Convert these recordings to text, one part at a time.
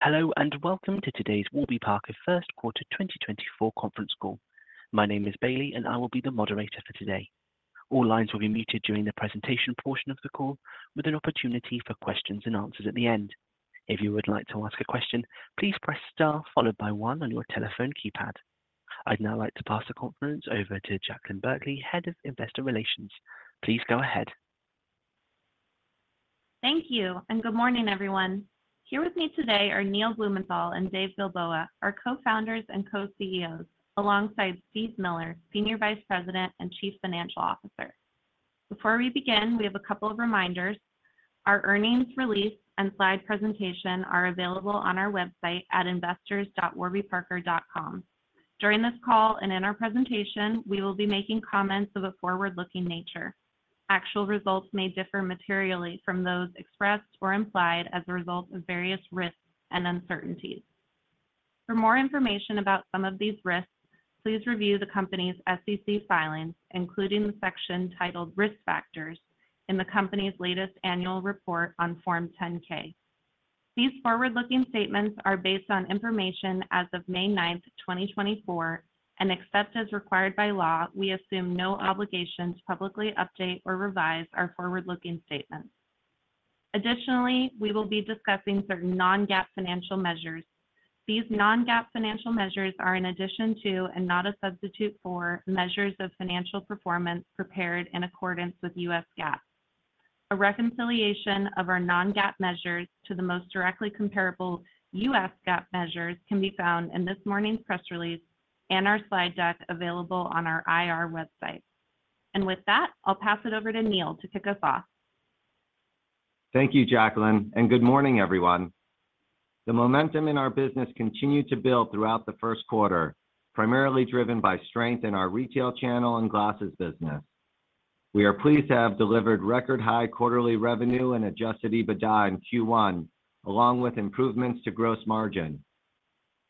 Hello, and welcome to today's Warby Parker First Quarter 2024 Conference Call. My name is Bailey, and I will be the moderator for today. All lines will be muted during the presentation portion of the call, with an opportunity for questions and answers at the end. If you would like to ask a question, please press Star, followed by one on your telephone keypad. I'd now like to pass the conference over to Jaclyn Berkley, Head of Investor Relations. Please go ahead. Thank you, and good morning, everyone. Here with me today are Neil Blumenthal and Dave Gilboa, our Co-founders and Co-CEOs, alongside Steve Miller, Senior Vice President and Chief Financial Officer. Before we begin, we have a couple of reminders. Our earnings release and slide presentation are available on our website at investors.warbyparker.com. During this call and in our presentation, we will be making comments of a forward-looking nature. Actual results may differ materially from those expressed or implied as a result of various risks and uncertainties. For more information about some of these risks, please review the company's SEC filings, including the section titled "Risk Factors" in the company's latest annual report on Form 10-K. These forward-looking statements are based on information as of May 9, 2024, and except as required by law, we assume no obligation to publicly update or revise our forward-looking statements. Additionally, we will be discussing certain non-GAAP financial measures. These non-GAAP financial measures are in addition to, and not a substitute for, measures of financial performance prepared in accordance with US GAAP. A reconciliation of our non-GAAP measures to the most directly comparable US GAAP measures can be found in this morning's press release and our slide deck available on our IR website. With that, I'll pass it over to Neil to kick us off. Thank you, Jaclyn, and good morning, everyone. The momentum in our business continued to build throughout the Q1, primarily driven by strength in our retail channel and glasses business. We are pleased to have delivered record high quarterly revenue and adjusted EBITDA in Q1, along with improvements to gross margin.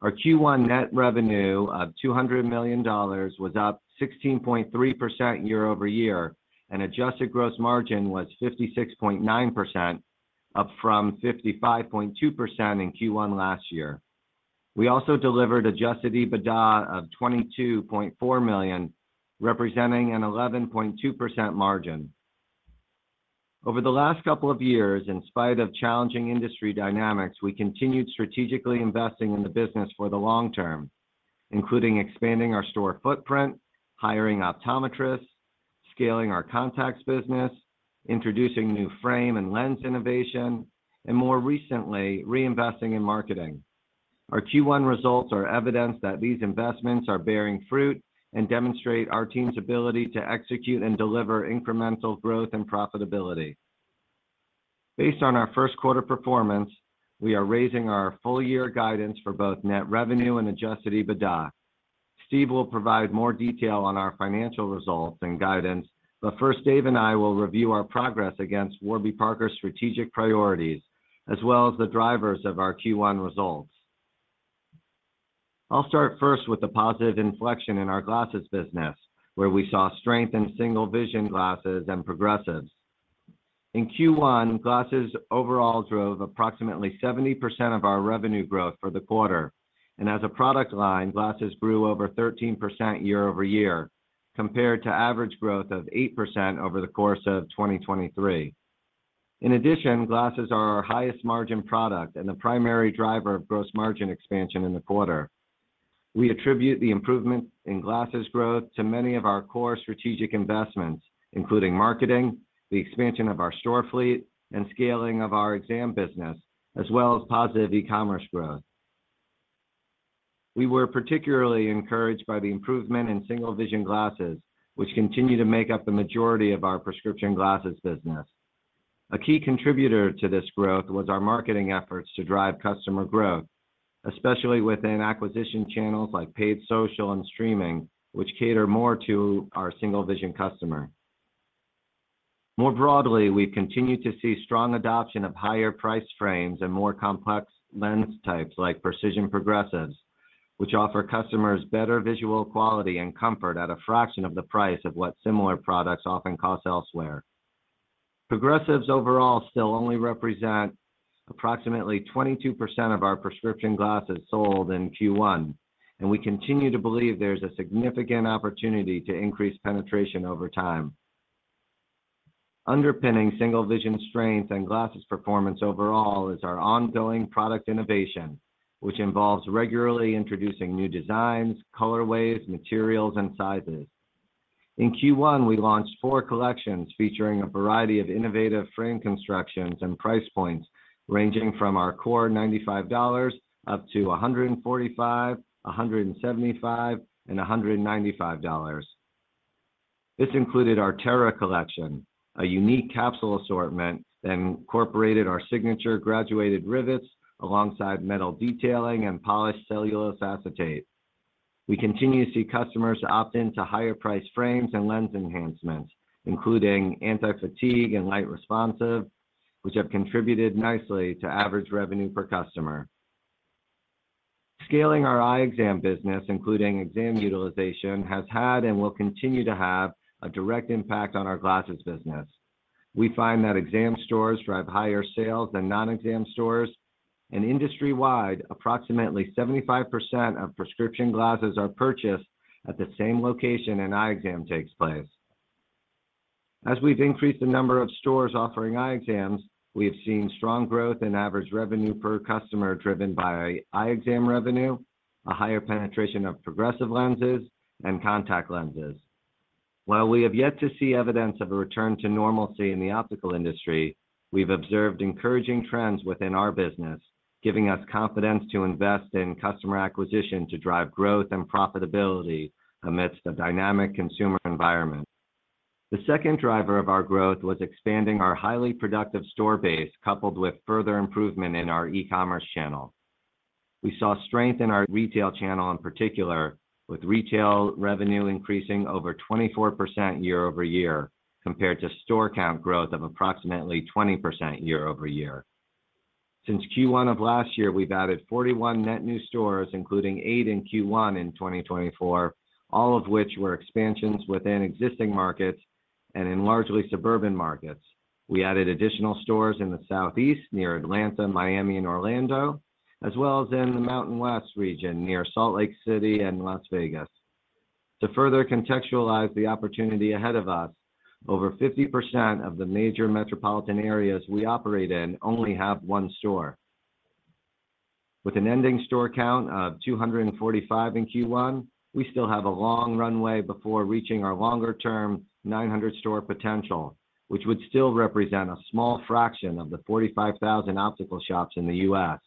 Our Q1 net revenue of $200 million was up 16.3% year-over-year, and adjusted gross margin was 56.9%, up from 55.2% in Q1 last year. We also delivered adjusted EBITDA of $22.4 million, representing an 11.2% margin. Over the last couple of years, in spite of challenging industry dynamics, we continued strategically investing in the business for the long term, including expanding our store footprint, hiring optometrists, scaling our contacts business, introducing new frame and lens innovation, and more recently, reinvesting in marketing. Our Q1 results are evidence that these investments are bearing fruit and demonstrate our team's ability to execute and deliver incremental growth and profitability. Based on our first quarter performance, we are raising our full year guidance for both net revenue and adjusted EBITDA. Steve will provide more detail on our financial results and guidance, but first, Dave and I will review our progress against Warby Parker's strategic priorities, as well as the drivers of our Q1 results. I'll start first with the positive inflection in our glasses business, where we saw strength in single vision glasses and progressives. In Q1, glasses overall drove approximately 70% of our revenue growth for the quarter, and as a product line, glasses grew over 13% year-over-year, compared to average growth of 8% over the course of 2023. In addition, glasses are our highest margin product and the primary driver of gross margin expansion in the quarter. We attribute the improvement in glasses growth to many of our core strategic investments, including marketing, the expansion of our store fleet, and scaling of our exam business, as well as positive e-commerce growth. We were particularly encouraged by the improvement in single vision glasses, which continue to make up the majority of our prescription glasses business. A key contributor to this growth was our marketing efforts to drive customer growth, especially within acquisition channels like paid social and streaming, which cater more to our single vision customer. More broadly, we continue to see strong adoption of higher priced frames and more complex lens types like precision progressives, which offer customers better visual quality and comfort at a fraction of the price of what similar products often cost elsewhere. Progressives overall still only represent approximately 22% of our prescription glasses sold in Q1, and we continue to believe there's a significant opportunity to increase penetration over time. Underpinning single vision strength and glasses performance overall is our ongoing product innovation, which involves regularly introducing new designs, colorways, materials, and sizes. In Q1, we launched four collections featuring a variety of innovative frame constructions and price points, ranging from our core $95 up to $145, $175, and $195. This included our Terra Collection, a unique capsule assortment that incorporated our signature graduated rivets alongside metal detailing and polished cellulose acetate. We continue to see customers opt in to higher priced frames and lens enhancements, including anti-fatigue and light responsive, which have contributed nicely to average revenue per customer. Scaling our eye exam business, including exam utilization, has had and will continue to have a direct impact on our glasses business. We find that exam stores drive higher sales than non-exam stores. And industry-wide, approximately 75% of prescription glasses are purchased at the same location an eye exam takes place. As we've increased the number of stores offering eye exams, we have seen strong growth in average revenue per customer, driven by eye exam revenue, a higher penetration of progressive lenses, and contact lenses. While we have yet to see evidence of a return to normalcy in the optical industry, we've observed encouraging trends within our business, giving us confidence to invest in customer acquisition to drive growth and profitability amidst a dynamic consumer environment. The second driver of our growth was expanding our highly productive store base, coupled with further improvement in our e-commerce channel. We saw strength in our retail channel, in particular, with retail revenue increasing over 24% year over year, compared to store count growth of approximately 20% year over year. Since Q1 of last year, we've added 41 net new stores, including eight in Q1 in 2024, all of which were expansions within existing markets and in largely suburban markets. We added additional stores in the Southeast near Atlanta, Miami, and Orlando, as well as in the Mountain West region, near Salt Lake City and Las Vegas. To further contextualize the opportunity ahead of us, over 50% of the major metropolitan areas we operate in only have one store. With an ending store count of 245 in Q1, we still have a long runway before reaching our longer term, 900 store potential, which would still represent a small fraction of the 45,000 optical shops in the US.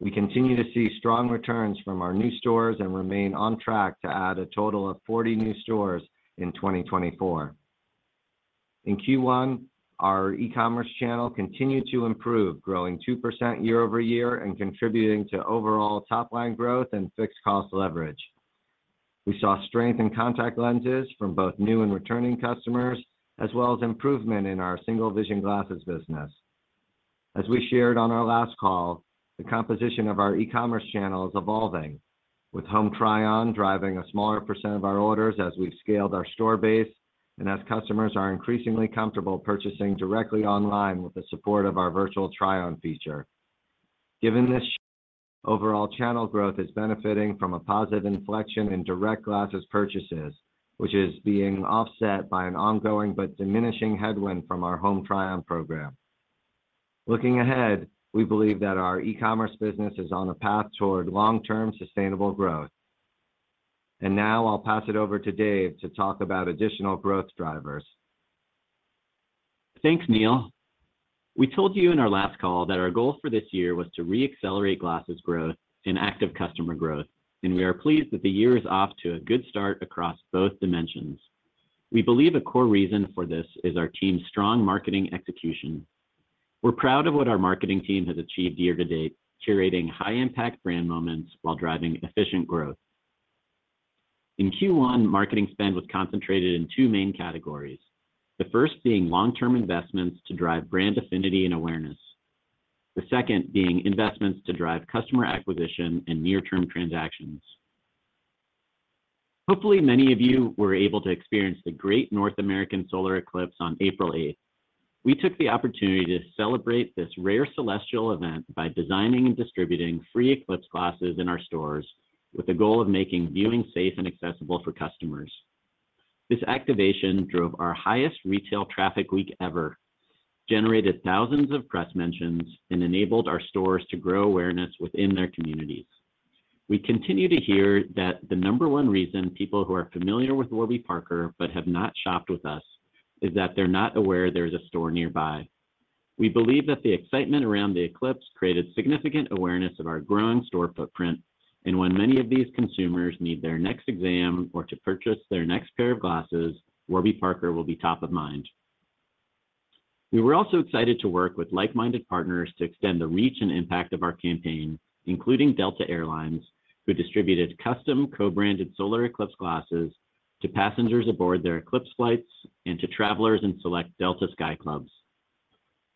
We continue to see strong returns from our new stores and remain on track to add a total of 40 new stores in 2024. In Q1, our e-commerce channel continued to improve, growing 2% year-over-year and contributing to overall top line growth and fixed cost leverage. We saw strength in contact lenses from both new and returning customers, as well as improvement in our single vision glasses business. As we shared on our last call, the composition of our e-commerce channel is evolving, with Home Try-On driving a smaller percent of our orders as we've scaled our store base and as customers are increasingly comfortable purchasing directly online with the support of our Virtual Try-On feature. Given this, overall channel growth is benefiting from a positive inflection in direct glasses purchases, which is being offset by an ongoing but diminishing headwind from our Home Try-On program. Looking ahead, we believe that our e-commerce business is on a path toward long-term sustainable growth. Now I'll pass it over to Dave to talk about additional growth drivers. Thanks, Neil. We told you in our last call that our goal for this year was to re-accelerate glasses growth and active customer growth, and we are pleased that the year is off to a good start across both dimensions. We believe a core reason for this is our team's strong marketing execution. We're proud of what our marketing team has achieved year to date, curating high-impact brand moments while driving efficient growth. In Q1, marketing spend was concentrated in two main categories. The first being long-term investments to drive brand affinity and awareness, the second being investments to drive customer acquisition and near-term transactions. Hopefully, many of you were able to experience the Great North American solar eclipse on April 8th. We took the opportunity to celebrate this rare celestial event by designing and distributing free eclipse glasses in our stores, with the goal of making viewing safe and accessible for customers. This activation drove our highest retail traffic week ever, generated thousands of press mentions, and enabled our stores to grow awareness within their communities. We continue to hear that the number one reason people who are familiar with Warby Parker, but have not shopped with us, is that they're not aware there's a store nearby. We believe that the excitement around the eclipse created significant awareness of our growing store footprint, and when many of these consumers need their next exam or to purchase their next pair of glasses, Warby Parker will be top of mind. We were also excited to work with like-minded partners to extend the reach and impact of our campaign, including Delta Air Lines, who distributed custom co-branded solar eclipse glasses to passengers aboard their eclipse flights and to travelers in select Delta Sky Clubs.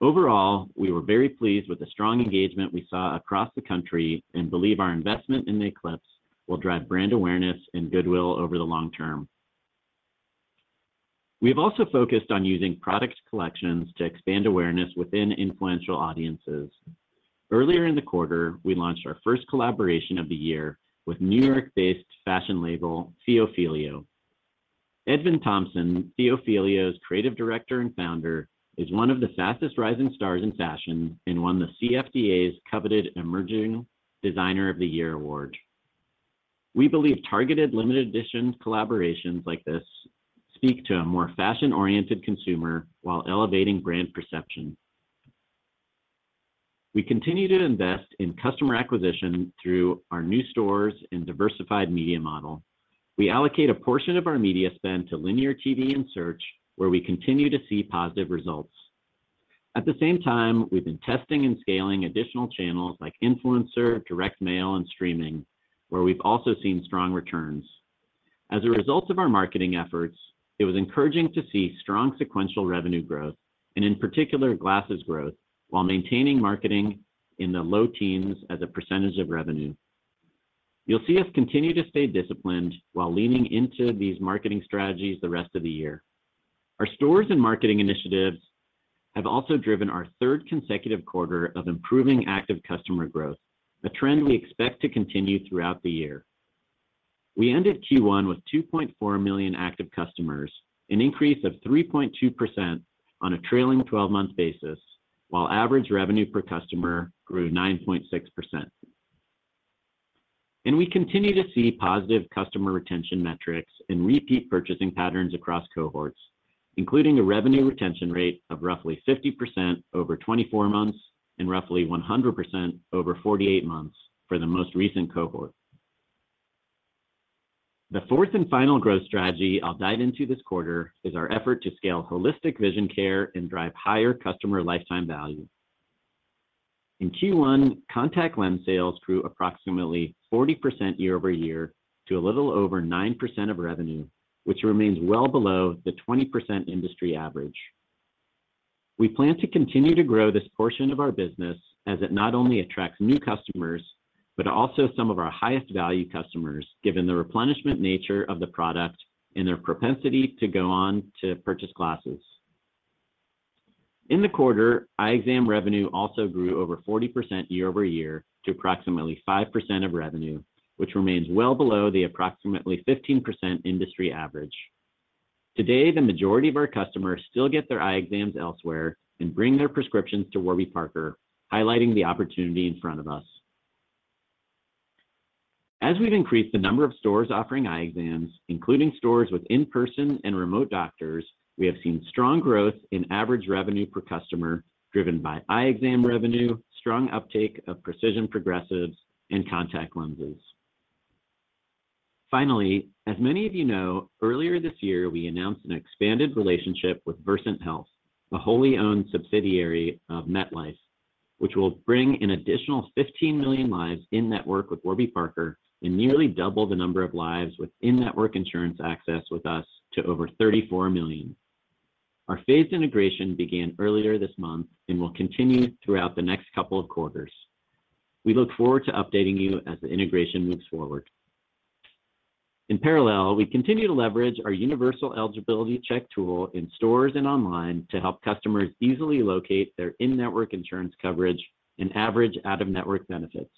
Overall, we were very pleased with the strong engagement we saw across the country and believe our investment in the eclipse will drive brand awareness and goodwill over the long term. We have also focused on using product collections to expand awareness within influential audiences. Earlier in the quarter, we launched our first collaboration of the year with New York-based fashion label, Theophilio. Edvin Thompson, Theophilio's Creative Director and Founder, is one of the fastest rising stars in fashion and won the CFDA's coveted Emerging Designer of the Year award. We believe targeted, limited edition collaborations like this speak to a more fashion-oriented consumer while elevating brand perception. We continue to invest in customer acquisition through our new stores and diversified media model. We allocate a portion of our media spend to linear TV and search, where we continue to see positive results. At the same time, we've been testing and scaling additional channels like influencer, direct mail, and streaming, where we've also seen strong returns.... As a result of our marketing efforts, it was encouraging to see strong sequential revenue growth, and in particular, glasses growth, while maintaining marketing in the low teens percent of revenue. You'll see us continue to stay disciplined while leaning into these marketing strategies the rest of the year. Our stores and marketing initiatives have also driven our third consecutive quarter of improving active customer growth, a trend we expect to continue throughout the year. We ended Q1 with 2.4 million active customers, an increase of 3.2% on a trailing 12-month basis, while average revenue per customer grew 9.6%. We continue to see positive customer retention metrics and repeat purchasing patterns across cohorts, including a revenue retention rate of roughly 50% over 24 months and roughly 100% over 48 months for the most recent cohort. The fourth and final growth strategy I'll dive into this quarter is our effort to scale holistic vision care and drive higher customer lifetime value. In Q1, contact lens sales grew approximately 40% year-over-year to a little over 9% of revenue, which remains well below the 20% industry average. We plan to continue to grow this portion of our business as it not only attracts new customers, but also some of our highest value customers, given the replenishment nature of the product and their propensity to go on to purchase glasses. In the quarter, eye exam revenue also grew over 40% year-over-year to approximately 5% of revenue, which remains well below the approximately 15% industry average. Today, the majority of our customers still get their eye exams elsewhere and bring their prescriptions to Warby Parker, highlighting the opportunity in front of us. As we've increased the number of stores offering eye exams, including stores with in-person and remote doctors, we have seen strong growth in average revenue per customer, driven by eye exam revenue, strong uptake of precision progressives, and contact lenses. Finally, as many of you know, earlier this year, we announced an expanded relationship with Versant Health, a wholly owned subsidiary of MetLife, which will bring an additional 15 million lives in network with Warby Parker and nearly double the number of lives with in-network insurance access with us to over 34 million. Our phased integration began earlier this month and will continue throughout the next couple of quarters. We look forward to updating you as the integration moves forward. In parallel, we continue to leverage our universal eligibility check tool in stores and online to help customers easily locate their in-network insurance coverage and average out-of-network benefits.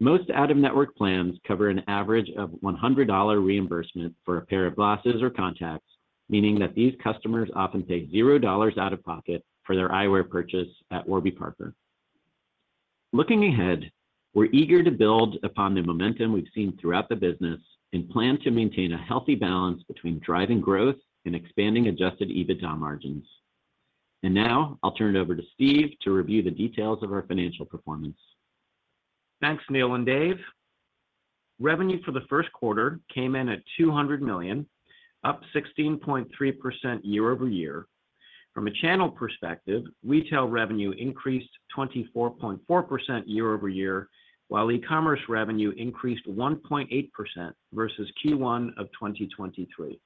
Most out-of-network plans cover an average of $100 reimbursement for a pair of glasses or contacts, meaning that these customers often pay $0 out of pocket for their eyewear purchase at Warby Parker. Looking ahead, we're eager to build upon the momentum we've seen throughout the business and plan to maintain a healthy balance between driving growth and expanding adjusted EBITDA margins. Now I'll turn it over to Steve to review the details of our financial performance. Thanks, Neil and Dave. Revenue for the first quarter came in at $200 million, up 16.3% year-over-year. From a channel perspective, retail revenue increased 24.4% year-over-year, while e-commerce revenue increased 1.8% versus Q1 of 2023.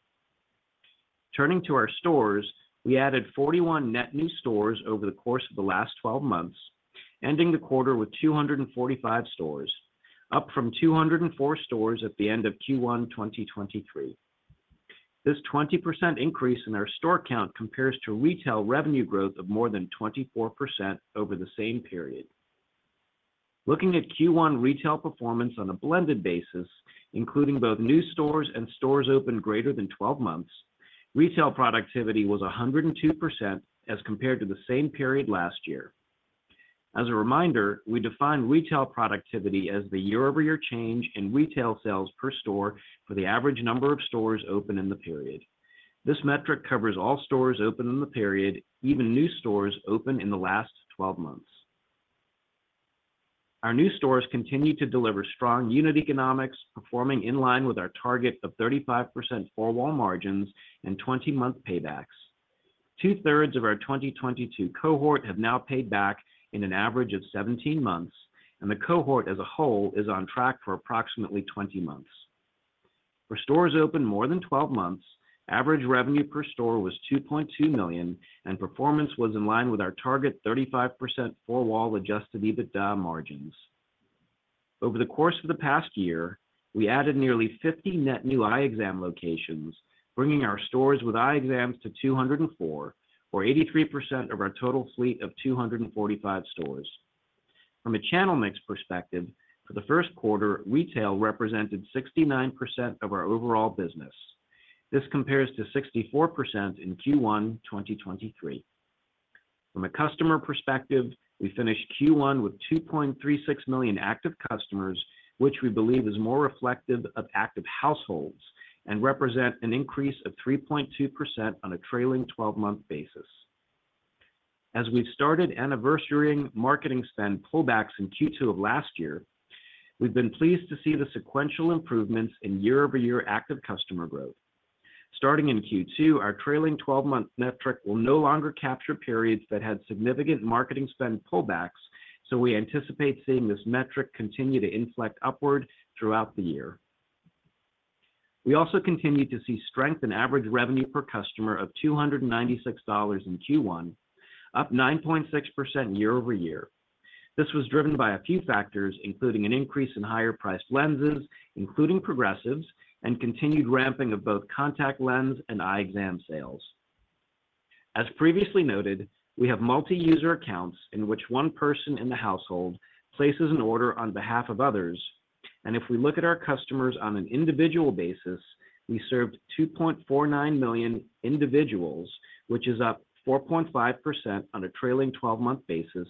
Turning to our stores, we added 41 net new stores over the course of the last 12 months, ending the quarter with 245 stores, up from 204 stores at the end of Q1 2023. This 20% increase in our store count compares to retail revenue growth of more than 24% over the same period. Looking at Q1 retail performance on a blended basis, including both new stores and stores open greater than 12 months, retail productivity was 102% as compared to the same period last year. As a reminder, we define retail productivity as the year-over-year change in retail sales per store for the average number of stores open in the period. This metric covers all stores open in the period, even new stores open in the last 12 months. Our new stores continue to deliver strong unit economics, performing in line with our target of 35% four-wall margins and 20-month paybacks. Two-thirds of our 2022 cohort have now paid back in an average of 17 months, and the cohort as a whole is on track for approximately 20 months. For stores open more than 12 months, average revenue per store was $2.2 million, and performance was in line with our target 35% four-wall adjusted EBITDA margins. Over the course of the past year, we added nearly 50 net new eye exam locations, bringing our stores with eye exams to 204, or 83% of our total fleet of 245 stores. From a channel mix perspective, for the Q1, retail represented 69% of our overall business. This compares to 64% in Q1 2023. From a customer perspective, we finished Q1 with 2.36 million active customers, which we believe is more reflective of active households and represent an increase of 3.2% on a trailing 12-month basis. As we've started anniversarying marketing spend pullbacks in Q2 of last year, we've been pleased to see the sequential improvements in year-over-year active customer growth.... Starting in Q2, our trailing 12-month metric will no longer capture periods that had significant marketing spend pullbacks, so we anticipate seeing this metric continue to inflect upward throughout the year. We also continued to see strength in average revenue per customer of $296 in Q1, up 9.6% year-over-year. This was driven by a few factors, including an increase in higher priced lenses, including progressives, and continued ramping of both contact lens and eye exam sales. As previously noted, we have multi-user accounts in which one person in the household places an order on behalf of others, and if we look at our customers on an individual basis, we served 2.49 million individuals, which is up 4.5% on a trailing 12-month basis,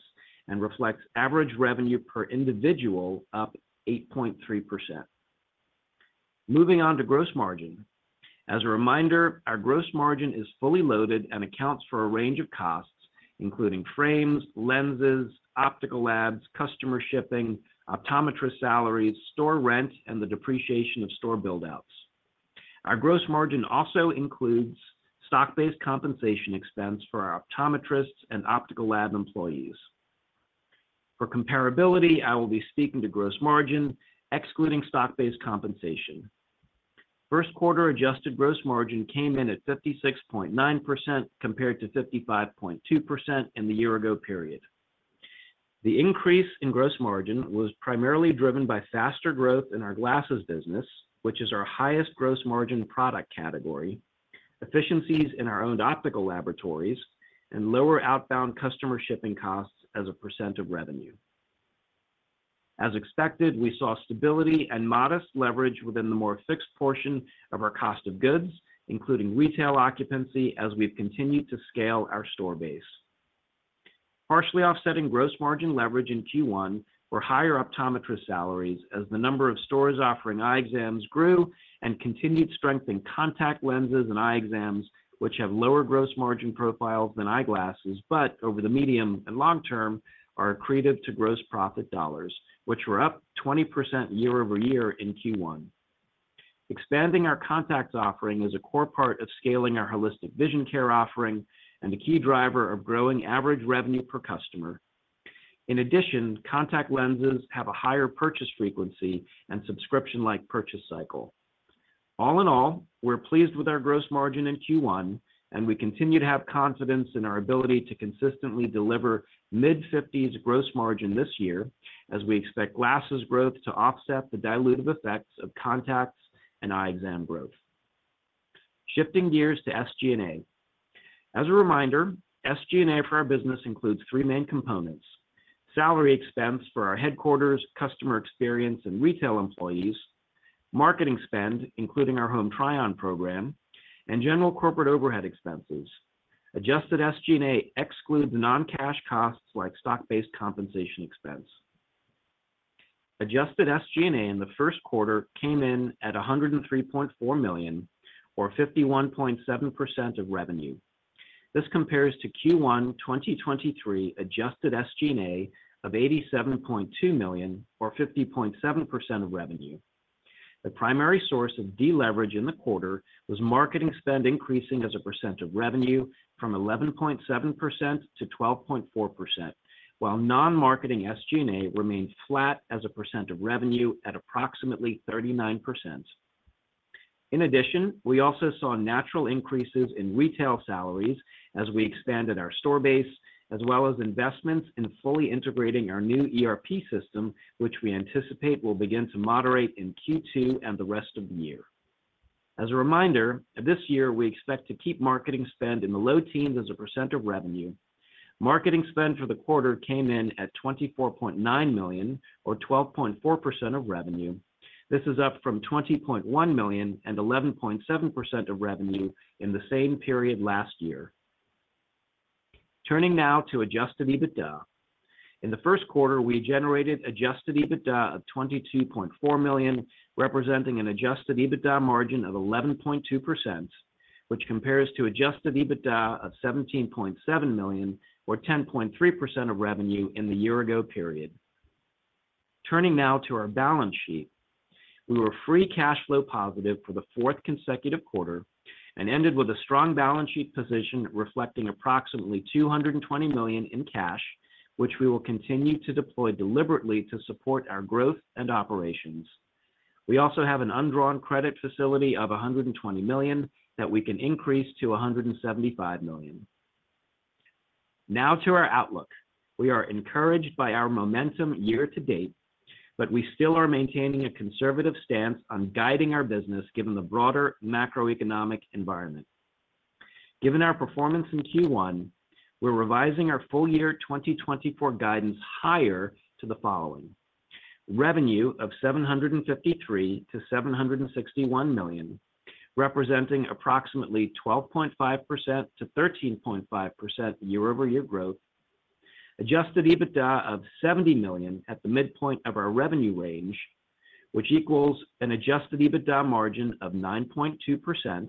and reflects average revenue per individual up 8.3%. Moving on to gross margin. As a reminder, our gross margin is fully loaded and accounts for a range of costs, including frames, lenses, optical labs, customer shipping, optometrist salaries, store rent, and the depreciation of store buildouts. Our gross margin also includes stock-based compensation expense for our optometrists and optical lab employees. For comparability, I will be speaking to gross margin, excluding stock-based compensation. First quarter adjusted gross margin came in at 56.9%, compared to 55.2% in the year-ago period. The increase in gross margin was primarily driven by faster growth in our glasses business, which is our highest gross margin product category, efficiencies in our owned optical laboratories, and lower outbound customer shipping costs as a percent of revenue. As expected, we saw stability and modest leverage within the more fixed portion of our cost of goods, including retail occupancy, as we've continued to scale our store base. Partially offsetting gross margin leverage in Q1 were higher optometrist salaries, as the number of stores offering eye exams grew and continued strength in contact lenses and eye exams, which have lower gross margin profiles than eyeglasses, but over the medium and long term, are accretive to gross profit dollars, which were up 20% year-over-year in Q1. Expanding our contacts offering is a core part of scaling our holistic vision care offering and a key driver of growing average revenue per customer. In addition, contact lenses have a higher purchase frequency and subscription-like purchase cycle. All in all, we're pleased with our gross margin in Q1, and we continue to have confidence in our ability to consistently deliver mid-50s gross margin this year, as we expect glasses growth to offset the dilutive effects of contacts and eye exam growth. Shifting gears to SG&A. As a reminder, SG&A for our business includes three main components: salary expense for our headquarters, customer experience, and retail employees, marketing spend, including our Home Try-On program, and general corporate overhead expenses. Adjusted SG&A excludes non-cash costs like stock-based compensation expense. Adjusted SG&A in the first quarter came in at $103.4 million, or 51.7% of revenue. This compares to Q1 2023 adjusted SG&A of $87.2 million, or 50.7% of revenue. The primary source of deleverage in the quarter was marketing spend increasing as a percent of revenue from 11.7%-12.4%, while non-marketing SG&A remained flat as a percent of revenue at approximately 39%. In addition, we also saw natural increases in retail salaries as we expanded our store base, as well as investments in fully integrating our new ERP system, which we anticipate will begin to moderate in Q2 and the rest of the year. As a reminder, this year, we expect to keep marketing spend in the low teens as a percent of revenue. Marketing spend for the quarter came in at $24.9 million, or 12.4% of revenue. This is up from $20.1 million and 11.7% of revenue in the same period last year. Turning now to adjusted EBITDA. In the Q1, we generated adjusted EBITDA of $22.4 million, representing an adjusted EBITDA margin of 11.2%, which compares to adjusted EBITDA of $17.7 million, or 10.3% of revenue in the year-ago period. Turning now to our balance sheet. We were free cash flow positive for the fourth consecutive quarter and ended with a strong balance sheet position, reflecting approximately $220 million in cash, which we will continue to deploy deliberately to support our growth and operations. We also have an undrawn credit facility of $120 million that we can increase to $175 million. Now to our outlook. We are encouraged by our momentum year to date, but we still are maintaining a conservative stance on guiding our business, given the broader macroeconomic environment. Given our performance in Q1, we're revising our full year 2024 guidance higher to the following: revenue of $753 million-$761 million, representing approximately 12.5%-13.5% year-over-year growth, adjusted EBITDA of $70 million at the midpoint of our revenue range, which equals an adjusted EBITDA margin of 9.2%,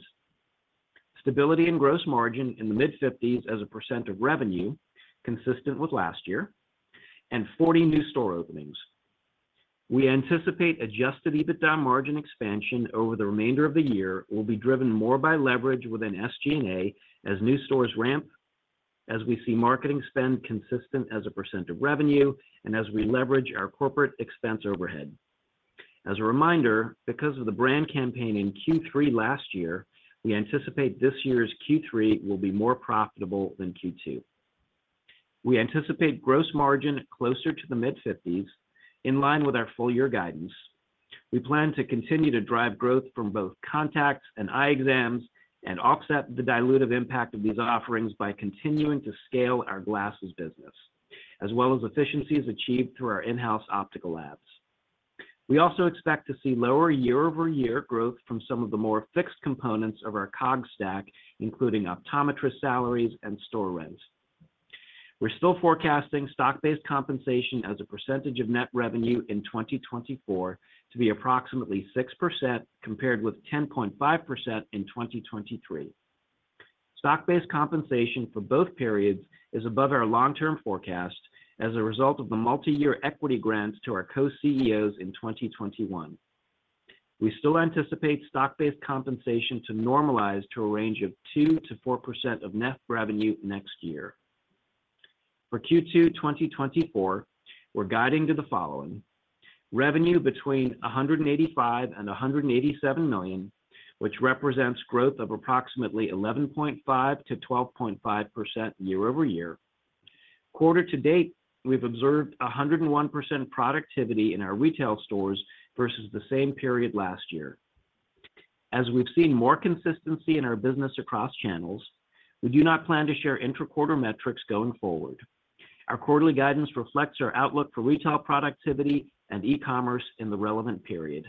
stability and gross margin in the mid-50s as a percent of revenue consistent with last year, and 40 new store openings. We anticipate adjusted EBITDA margin expansion over the remainder of the year will be driven more by leverage within SG&A as new stores ramp, as we see marketing spend consistent as a percent of revenue, and as we leverage our corporate expense overhead. As a reminder, because of the brand campaign in Q3 last year, we anticipate this year's Q3 will be more profitable than Q2. We anticipate gross margin closer to the mid-50s, in line with our full year guidance. We plan to continue to drive growth from both contacts and eye exams, and offset the dilutive impact of these offerings by continuing to scale our glasses business, as well as efficiencies achieved through our in-house optical labs. We also expect to see lower year-over-year growth from some of the more fixed components of our COGS stack, including optometrist salaries and store rents. We're still forecasting stock-based compensation as a percentage of net revenue in 2024 to be approximately 6%, compared with 10.5% in 2023. Stock-based compensation for both periods is above our long-term forecast as a result of the multiyear equity grants to our co-CEOs in 2021. We still anticipate stock-based compensation to normalize to a range of 2%-4% of net revenue next year. For Q2 2024, we're guiding to the following: revenue between $185 million and $187 million, which represents growth of approximately 11.5%-12.5% year-over-year. Quarter to date, we've observed 101% productivity in our retail stores versus the same period last year. As we've seen more consistency in our business across channels, we do not plan to share intra-quarter metrics going forward. Our quarterly guidance reflects our outlook for retail productivity and e-commerce in the relevant period.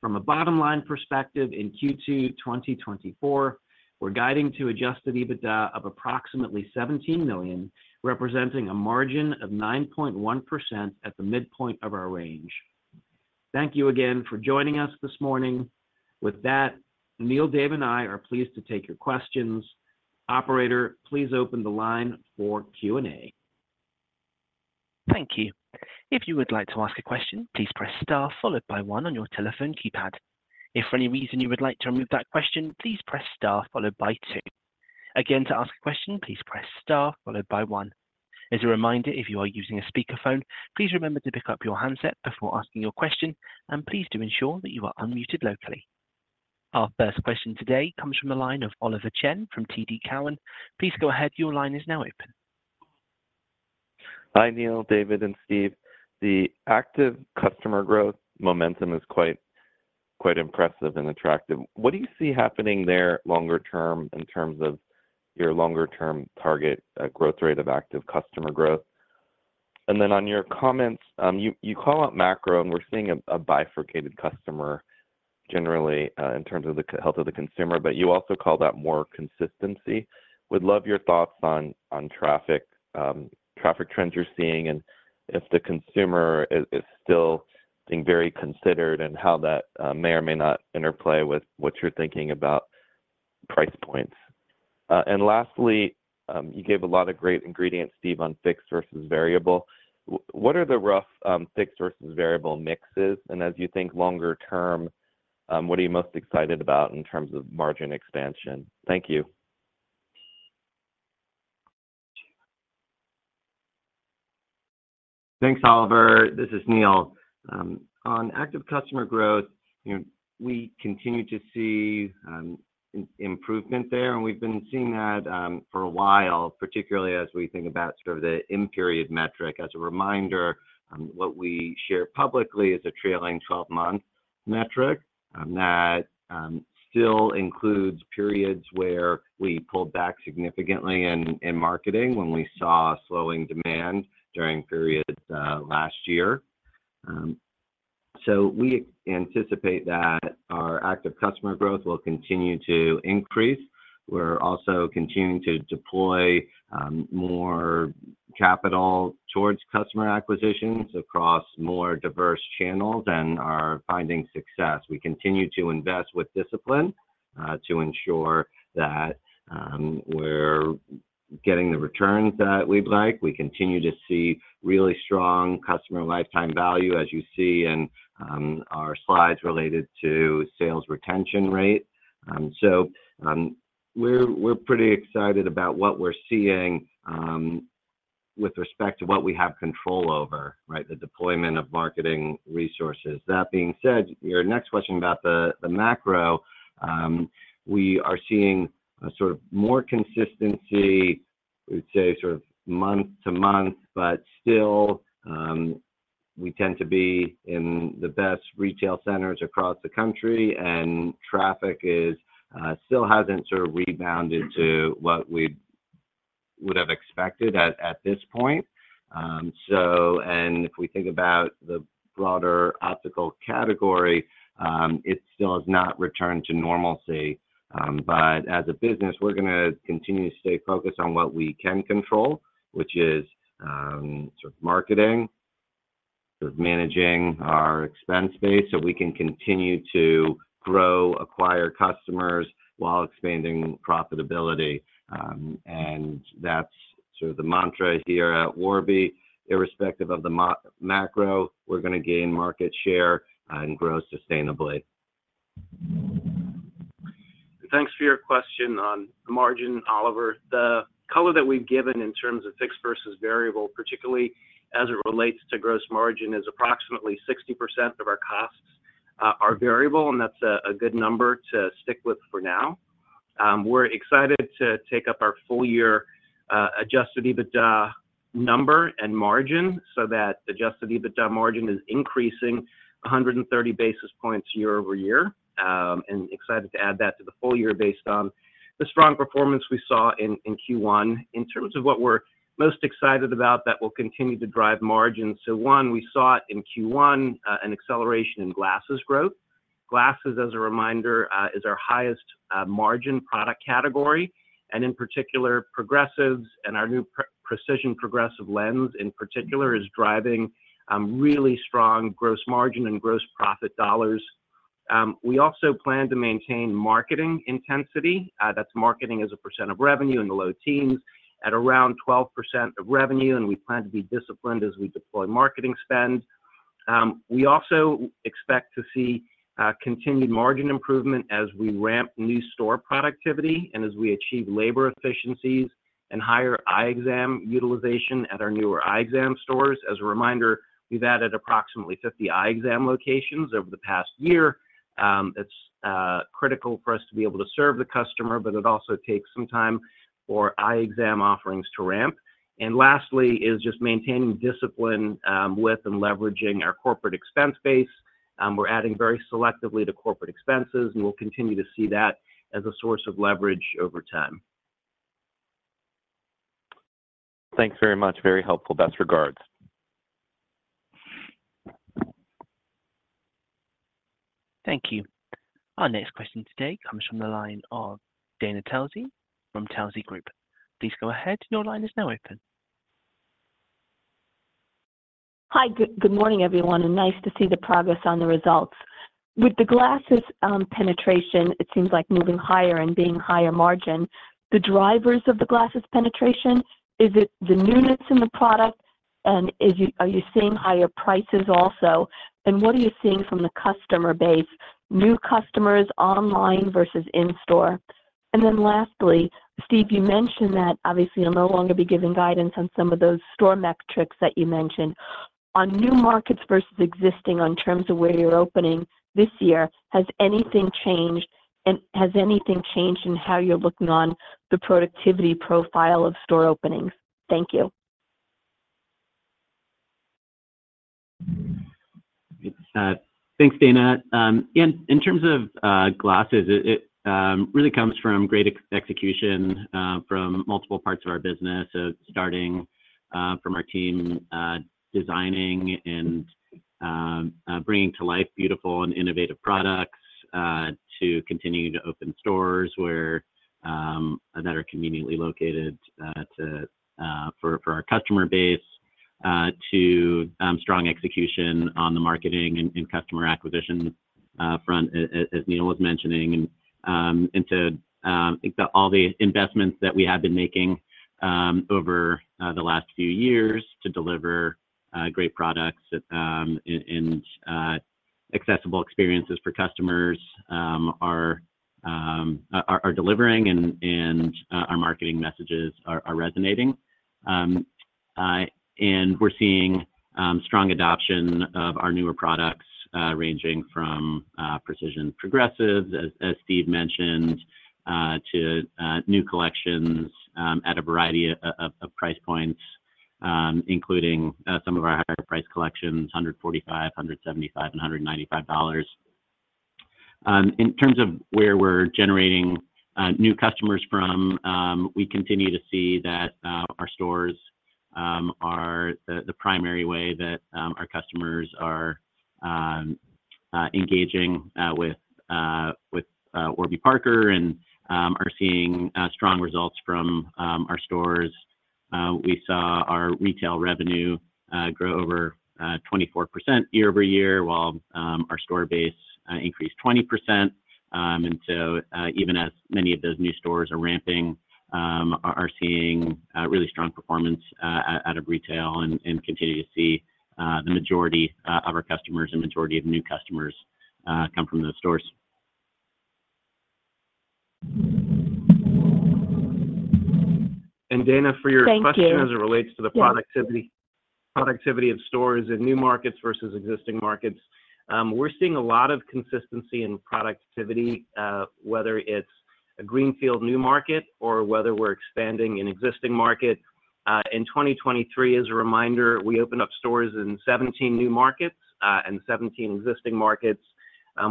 From a bottom-line perspective, in Q2 2024, we're guiding to adjusted EBITDA of approximately $17 million, representing a margin of 9.1% at the midpoint of our range. Thank you again for joining us this morning. With that, Neil, Dave, and I are pleased to take your questions. Operator, please open the line for Q&A. Thank you. If you would like to ask a question, please press star followed by one on your telephone keypad. If for any reason you would like to remove that question, please press star followed by two. Again, to ask a question, please press star followed by one. As a reminder, if you are using a speakerphone, please remember to pick up your handset before asking your question, and please do ensure that you are unmuted locally. Our first question today comes from the line of Oliver Chen from TD Cowen. Please go ahead. Your line is now open. Hi, Neil, David, and Steve. The active customer growth momentum is quite, quite impressive and attractive. What do you see happening there longer term in terms of your longer-term target, growth rate of active customer growth? And then on your comments, you call out macro, and we're seeing a bifurcated customer generally, in terms of the key health of the consumer, but you also call that more consistency. Would love your thoughts on traffic, traffic trends you're seeing, and if the consumer is still being very considered and how that may or may not interplay with what you're thinking about price points. And lastly, you gave a lot of great ingredients, Steve, on fixed versus variable. What are the rough, fixed versus variable mixes, and as you think longer term, what are you most excited about in terms of margin expansion? Thank you. Thanks, Oliver. This is Neil. On active customer growth, you know, we continue to see improvement there, and we've been seeing that for a while, particularly as we think about sort of the in-period metric. As a reminder, what we share publicly is a trailing 12-month metric that still includes periods where we pulled back significantly in marketing when we saw slowing demand during periods last year. So we anticipate that our active customer growth will continue to increase. We're also continuing to deploy more capital towards customer acquisitions across more diverse channels and are finding success. We continue to invest with discipline to ensure that we're getting the returns that we'd like. We continue to see really strong customer lifetime value, as you see in our slides related to sales retention rate. So, we're pretty excited about what we're seeing with respect to what we have control over, right? The deployment of marketing resources. That being said, your next question about the macro, we are seeing a sort of more consistency, we'd say, sort of month to month, but still, we tend to be in the best retail centers across the country, and traffic still hasn't sort of rebounded to what we would have expected at this point. So and if we think about the broader optical category, it still has not returned to normalcy. But as a business, we're gonna continue to stay focused on what we can control, which is sort of marketing, sort of managing our expense base, so we can continue to grow, acquire customers while expanding profitability. And that's sort of the mantra here at Warby. Irrespective of the macro, we're gonna gain market share and grow sustainably. Thanks for your question on margin, Oliver. The color that we've given in terms of fixed versus variable, particularly as it relates to gross margin, is approximately 60% of our costs are variable, and that's a good number to stick with for now. We're excited to take up our full year adjusted EBITDA number and margin, so that adjusted EBITDA margin is increasing 130 basis points year-over-year. And excited to add that to the full year based on the strong performance we saw in Q1. In terms of what we're most excited about, that will continue to drive margin. So one, we saw it in Q1 an acceleration in glasses growth. Glasses, as a reminder, is our highest margin product category, and in particular, progressives. Our new precision progressives lens in particular is driving really strong gross margin and gross profit dollars. We also plan to maintain marketing intensity, that's marketing as a percent of revenue in the low teens at around 12% of revenue, and we plan to be disciplined as we deploy marketing spend. We also expect to see continued margin improvement as we ramp new store productivity and as we achieve labor efficiencies and higher eye exam utilization at our newer eye exam stores. As a reminder, we've added approximately 50 eye exam locations over the past year. It's critical for us to be able to serve the customer, but it also takes some time for eye exam offerings to ramp. Lastly, is just maintaining discipline with and leveraging our corporate expense base. We're adding very selectively to corporate expenses, and we'll continue to see that as a source of leverage over time. Thanks very much. Very helpful. Best regards. Thank you. Our next question today comes from the line of Dana Telsey from Telsey Advisory Group. Please go ahead. Your line is now open. Hi, good morning, everyone, and nice to see the progress on the results. With the glasses penetration, it seems like moving higher and being higher margin. The drivers of the glasses penetration, is it the newness in the product, and are you seeing higher prices also? And what are you seeing from the customer base, new customers, online versus in-store? And then lastly, Steve, you mentioned that obviously you'll no longer be giving guidance on some of those store metrics that you mentioned. On new markets versus existing in terms of where you're opening this year, has anything changed, and has anything changed in how you're looking on the productivity profile of store openings? Thank you. Thanks, Dana. In terms of glasses, it really comes from great execution from multiple parts of our business. So starting from our team designing and bringing to life beautiful and innovative products to continuing to open stores where that are conveniently located to for our customer base to strong execution on the marketing and customer acquisition front, as Neil was mentioning. And to all the investments that we have been making over the last few years to deliver great products and accessible experiences for customers are delivering and our marketing messages are resonating. And we're seeing strong adoption of our newer products, ranging from precision progressives, as Steve mentioned, to new collections at a variety of price points, including some of our higher price collections, $145, $175, and $195. In terms of where we're generating new customers from, we continue to see that our stores are the primary way that our customers are engaging with Warby Parker and are seeing strong results from our stores. We saw our retail revenue grow over 24% year-over-year, while our store base increased 20%. So, even as many of those new stores are ramping, are seeing really strong performance out of retail and continue to see the majority of our customers and majority of new customers come from those stores. Dana, for your question- Thank you. As it relates to the productivity- Yes... productivity of stores in new markets versus existing markets, we're seeing a lot of consistency in productivity, whether it's a greenfield new market or whether we're expanding an existing market. In 2023, as a reminder, we opened up stores in 17 new markets and 17 existing markets.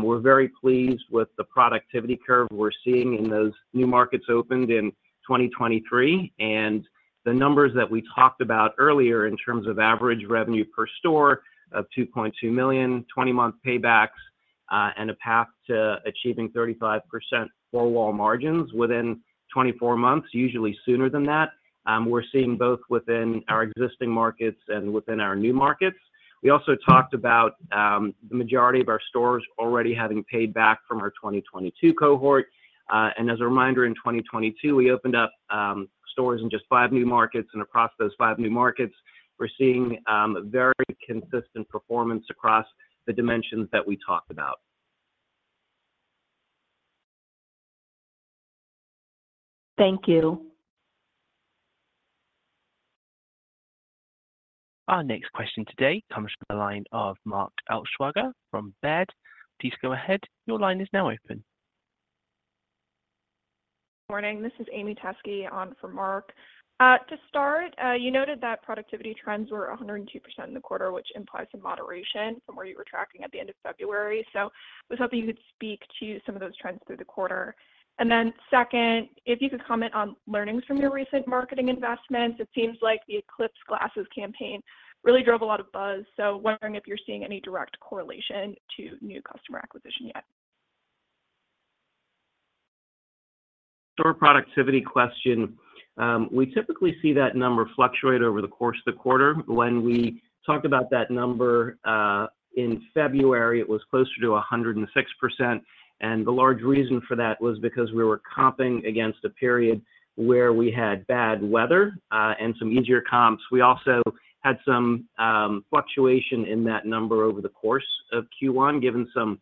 We're very pleased with the productivity curve we're seeing in those new markets opened in 2023, and the numbers that we talked about earlier in terms of average revenue per store of $2.2 million, 20-month paybacks, and a path to achieving 35% four-wall margins within 24 months, usually sooner than that. We're seeing both within our existing markets and within our new markets. We also talked about the majority of our stores already having paid back from our 2022 cohort. As a reminder, in 2022, we opened up stores in just five new markets, and across those five new markets, we're seeing very consistent performance across the dimensions that we talked about. Thank you. Our next question today comes from the line of Mark Altschwager from Baird. Please go ahead. Your line is now open. Good morning. This is Amy Teske on for Mark. To start, you noted that productivity trends were 102% in the quarter, which implies some moderation from where you were tracking at the end of February. So I was hoping you could speak to some of those trends through the quarter. Then second, if you could comment on learnings from your recent marketing investments. It seems like the eclipse glasses campaign really drove a lot of buzz. So wondering if you're seeing any direct correlation to new customer acquisition yet? Store productivity question. We typically see that number fluctuate over the course of the quarter. When we talked about that number in February, it was closer to 106%, and the large reason for that was because we were comping against a period where we had bad weather and some easier comps. We also had some fluctuation in that number over the course of Q1, given some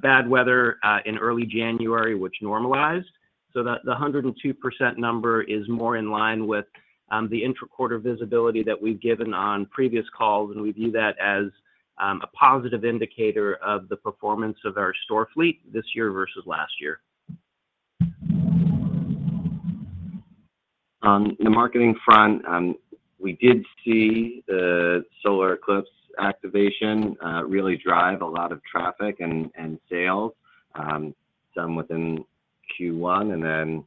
bad weather in early January, which normalized. So the 102% number is more in line with the intra-quarter visibility that we've given on previous calls, and we view that as a positive indicator of the performance of our store fleet this year versus last year. In the marketing front, we did see the solar eclipse activation really drive a lot of traffic and sales, some within Q1 and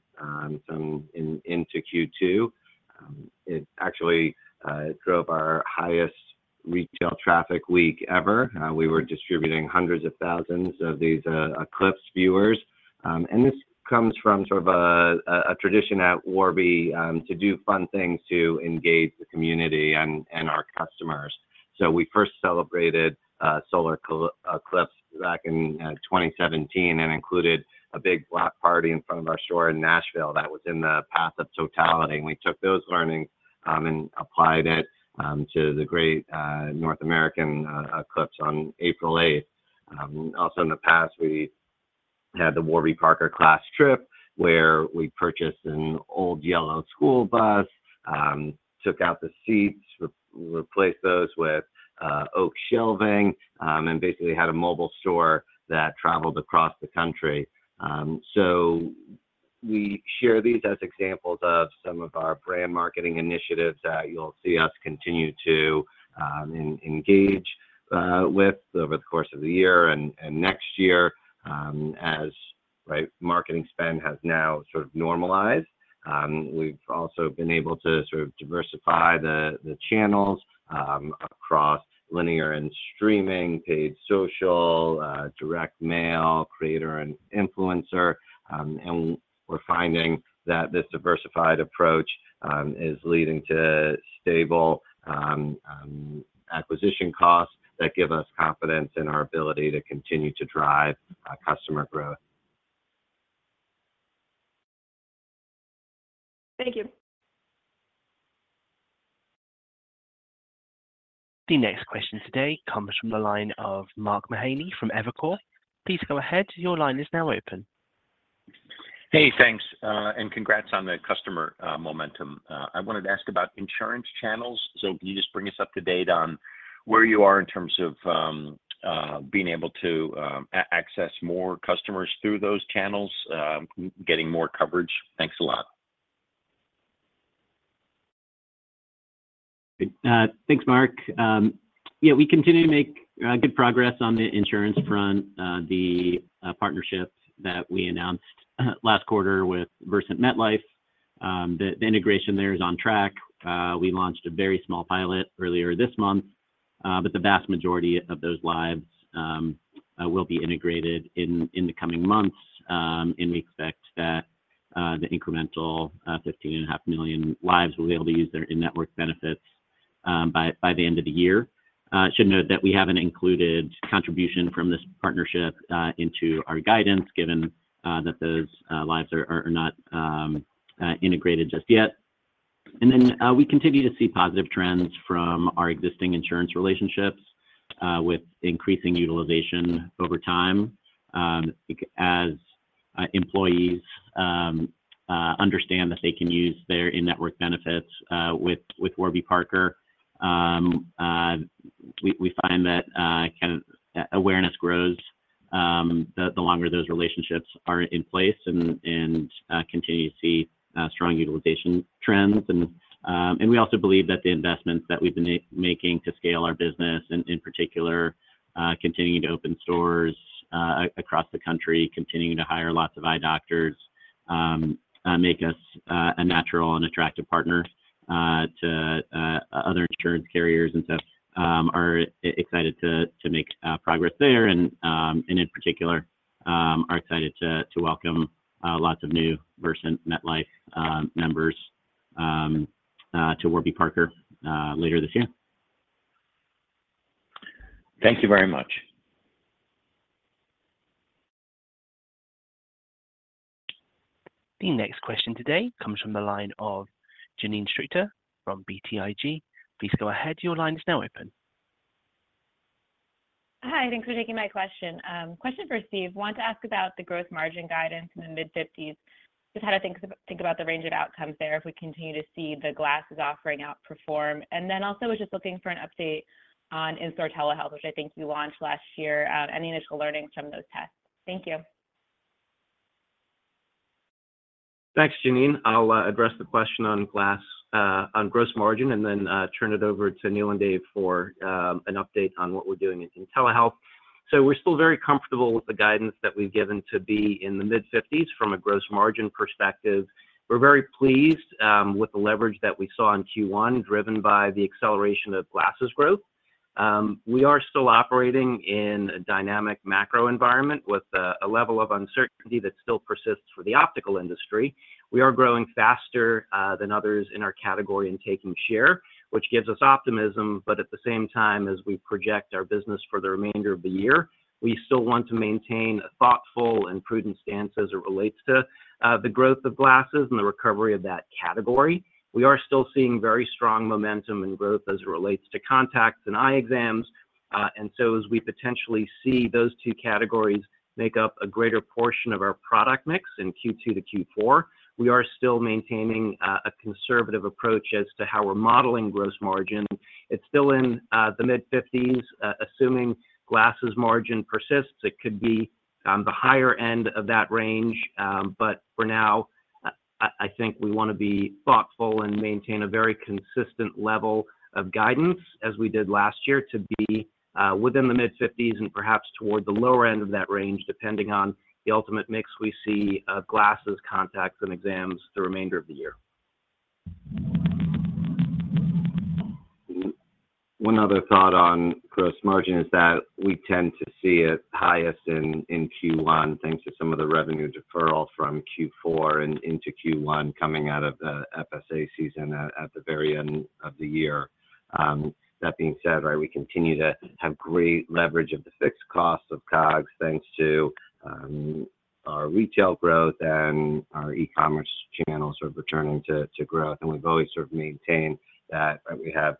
then some into Q2. It actually drove our highest retail traffic week ever. We were distributing hundreds of thousands of these eclipse viewers. And this comes from sort of a tradition at Warby to do fun things to engage the community and our customers. So we first celebrated a solar eclipse back in 2017, and included a big block party in front of our store in Nashville that was in the path of totality. And we took those learnings and applied it to the Great North American Eclipse on April 8th. Also in the past, we had the Warby Parker class trip, where we purchased an old yellow school bus, took out the seats, replaced those with oak shelving, and basically had a mobile store that traveled across the country. So we share these as examples of some of our brand marketing initiatives that you'll see us continue to engage with over the course of the year and next year, as marketing spend has now sort of normalized. We've also been able to sort of diversify the channels across linear and streaming, paid social, direct mail, creator and influencer. And we're finding that this diversified approach is leading to stable acquisition costs that give us confidence in our ability to continue to drive customer growth. Thank you. The next question today comes from the line of Mark Mahaney from Evercore. Please go ahead. Your line is now open. Hey, thanks, and congrats on the customer momentum. I wanted to ask about insurance channels. So can you just bring us up to date on where you are in terms of being able to access more customers through those channels, getting more coverage? Thanks a lot. Thanks, Mark. Yeah, we continue to make good progress on the insurance front. The partnership that we announced last quarter with Versant MetLife, the integration there is on track. We launched a very small pilot earlier this month, but the vast majority of those lives will be integrated in the coming months. And we expect that the incremental 15.5 million lives will be able to use their in-network benefits by the end of the year. I should note that we haven't included contribution from this partnership into our guidance, given that those lives are not integrated just yet. And then, we continue to see positive trends from our existing insurance relationships with increasing utilization over time. As employees understand that they can use their in-network benefits with Warby Parker, we find that kind of awareness grows the longer those relationships are in place and continue to see strong utilization trends. And we also believe that the investments that we've been making to scale our business, and in particular, continuing to open stores across the country, continuing to hire lots of eye doctors, make us a natural and attractive partner to other insurance carriers. And so, are excited to make progress there and, in particular, are excited to welcome lots of new Versant MetLife members to Warby Parker later this year. Thank you very much. The next question today comes from the line of Janine Stichter from BTIG. Please go ahead, your line is now open. Hi, thanks for taking my question. Question for Steve. Want to ask about the gross margin guidance in the mid-50s. Just how to think about the range of outcomes there if we continue to see the glasses offering outperform. And then also just looking for an update on in-store telehealth, which I think you launched last year. Any initial learnings from those tests? Thank you. Thanks, Janine. I'll address the question on gross margin, and then turn it over to Neil and Dave for an update on what we're doing in telehealth. So we're still very comfortable with the guidance that we've given to be in the mid-50s from a gross margin perspective. We're very pleased with the leverage that we saw in Q1, driven by the acceleration of glasses growth. We are still operating in a dynamic macro environment with a level of uncertainty that still persists for the optical industry. We are growing faster than others in our category and taking share, which gives us optimism. But at the same time, as we project our business for the remainder of the year, we still want to maintain a thoughtful and prudent stance as it relates to the growth of glasses and the recovery of that category. We are still seeing very strong momentum and growth as it relates to contacts and eye exams. And so as we potentially see those two categories make up a greater portion of our product mix in Q2 to Q4, we are still maintaining a conservative approach as to how we're modeling gross margin. It's still in the mid-50s. Assuming glasses margin persists, it could be the higher end of that range. But for now, I think we wanna be thoughtful and maintain a very consistent level of guidance, as we did last year, to be within the mid-50s and perhaps toward the lower end of that range, depending on the ultimate mix we see of glasses, contacts, and exams the remainder of the year. One other thought on gross margin is that we tend to see it highest in Q1, thanks to some of the revenue deferral from Q4 and into Q1 coming out of the FSA season at the very end of the year. That being said, right, we continue to have great leverage of the fixed costs of COGS, thanks to our retail growth and our e-commerce channels are returning to growth, and we've always sort of maintained that we have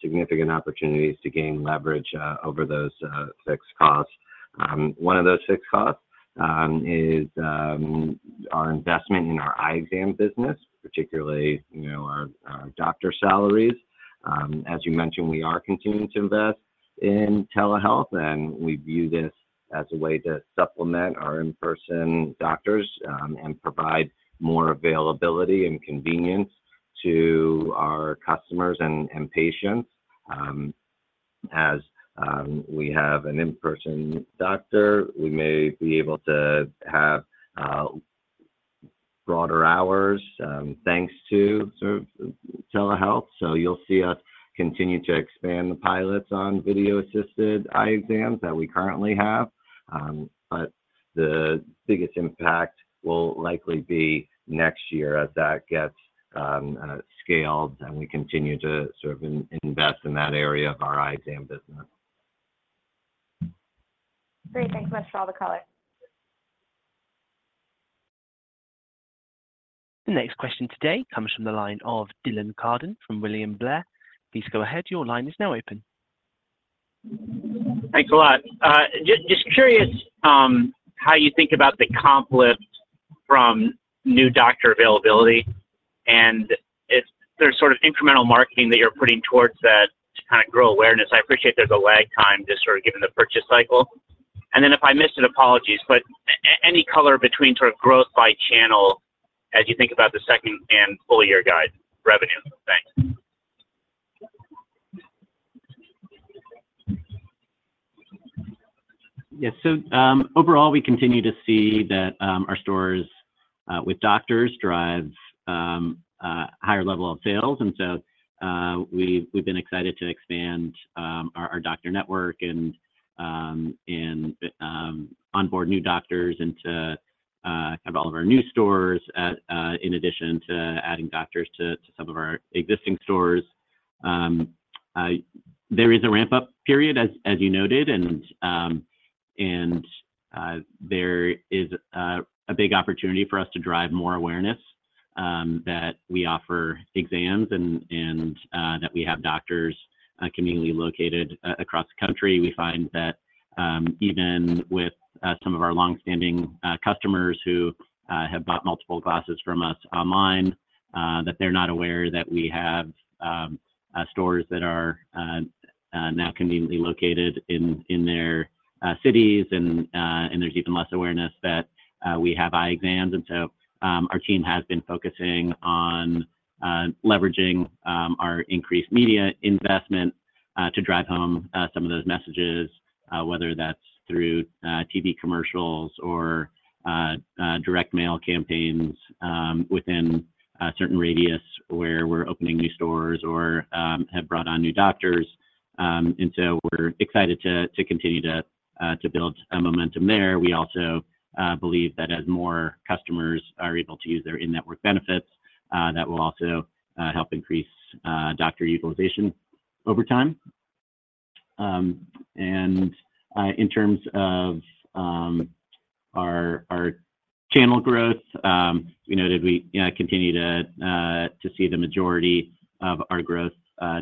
significant opportunities to gain leverage over those fixed costs. One of those fixed costs is our investment in our eye exam business, particularly, you know, our doctor salaries. As you mentioned, we are continuing to invest in telehealth, and we view this as a way to supplement our in-person doctors and provide more availability and convenience to our customers and patients. As we have an in-person doctor, we may be able to have broader hours thanks to sort of telehealth. So you'll see us continue to expand the pilots on video-assisted eye exams that we currently have. But the biggest impact will likely be next year as that gets scaled, and we continue to sort of invest in that area of our eye exam business. Great. Thanks so much for all the color. The next question today comes from the line of Dylan Carden from William Blair. Please go ahead. Your line is now open. Thanks a lot. Just curious, how you think about the comp lift from new doctor availability, and if there's sort of incremental marketing that you're putting towards that to kind of grow awareness. I appreciate there's a lag time just sort of given the purchase cycle. And then if I missed it, apologies, but any color between sort of growth by channel as you think about the second and full year guide revenue. Thanks. Yes. So, overall, we continue to see that our stores with doctors drive a higher level of sales, and so we've been excited to expand our doctor network and onboard new doctors into kind of all of our new stores, in addition to adding doctors to some of our existing stores. There is a ramp-up period, as you noted, and there is a big opportunity for us to drive more awareness that we offer exams and that we have doctors conveniently located across the country. We find that even with some of our longstanding customers who have bought multiple glasses from us online that they're not aware that we have stores that are now conveniently located in their cities and there's even less awareness that we have eye exams. So our team has been focusing on leveraging our increased media investment to drive home some of those messages whether that's through TV commercials or direct mail campaigns within a certain radius where we're opening new stores or have brought on new doctors. So we're excited to continue to build a momentum there. We also believe that as more customers are able to use their in-network benefits, that will also help increase doctor utilization over time. And in terms of our channel growth, you know, that we continue to see the majority of our growth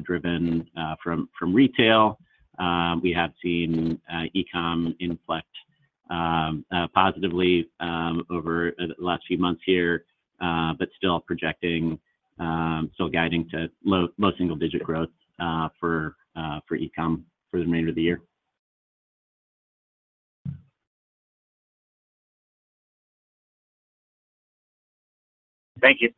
driven from retail. We have seen e-com inflect positively over the last few months here, but still projecting, still guiding to low single digit growth for e-com for the remainder of the year. Thank you.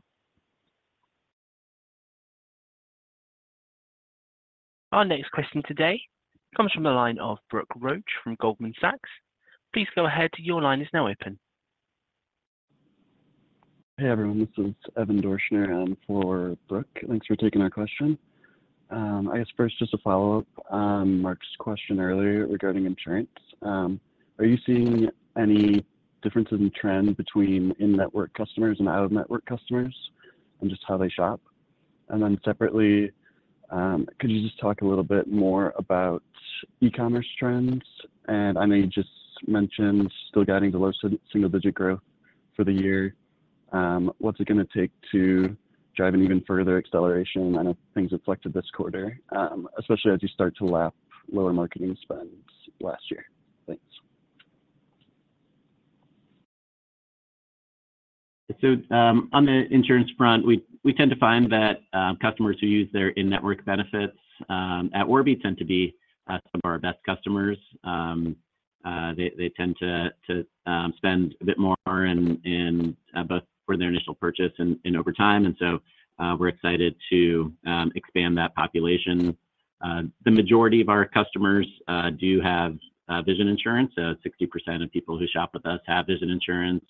Our next question today comes from the line of Brooke Roach from Goldman Sachs. Please go ahead, your line is now open. Hey, everyone, this is Evan Dorschner in for Brooke. Thanks for taking our question. I guess first, just a follow-up on Mark's question earlier regarding insurance. Are you seeing any differences in trend between in-network customers and out-of-network customers, and just how they shop? And then separately, could you just talk a little bit more about e-commerce trends? And I know you just mentioned still guiding to low single digit growth for the year. What's it gonna take to drive an even further acceleration? I know things inflected this quarter, especially as you start to lap lower marketing spends last year. Thanks. So, on the insurance front, we tend to find that customers who use their in-network benefits at Warby tend to be some of our best customers. They tend to spend a bit more in both for their initial purchase and over time, and so we're excited to expand that population. The majority of our customers do have vision insurance. 60% of people who shop with us have vision insurance.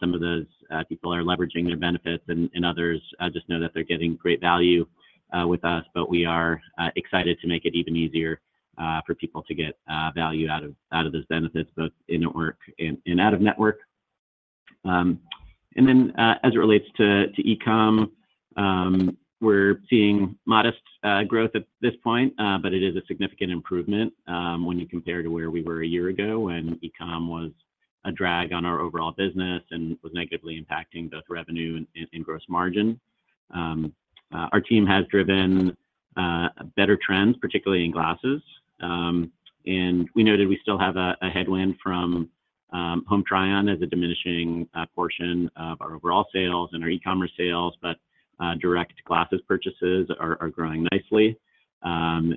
Some of those people are leveraging their benefits, and others just know that they're getting great value with us. But we are excited to make it even easier for people to get value out of those benefits, both in-network and out-of-network. And then, as it relates to e-com, we're seeing modest growth at this point, but it is a significant improvement when you compare to where we were a year ago, when e-com was a drag on our overall business and was negatively impacting both revenue and gross margin. Our team has driven better trends, particularly in glasses. And we noted we still have a headwind from Home Try-On as a diminishing portion of our overall sales and our e-commerce sales, but direct glasses purchases are growing nicely. And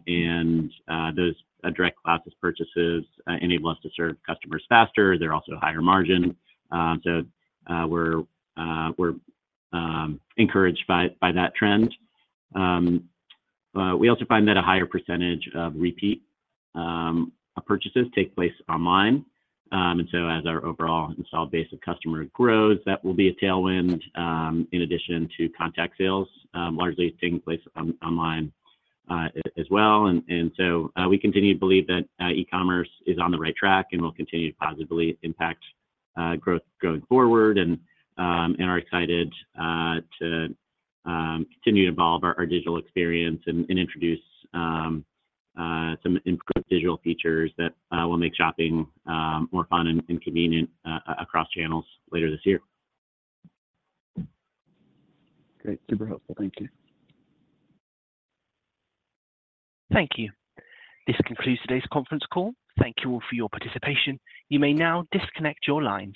those direct glasses purchases enable us to serve customers faster. They're also higher margin, so we're encouraged by that trend. We also find that a higher percentage of repeat purchases take place online. And so as our overall installed base of customer grows, that will be a tailwind, in addition to contact sales, largely taking place online, as well. And so, we continue to believe that e-commerce is on the right track and will continue to positively impact growth going forward, and are excited to continue to evolve our digital experience and introduce some improved digital features that will make shopping more fun and convenient across channels later this year. Great. Super helpful. Thank you. Thank you. This concludes today's conference call. Thank you all for your participation. You may now disconnect your lines.